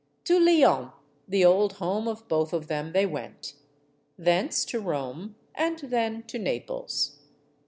To Lyons, the old home of both of them, they went; thence to Rome, and then to Naples.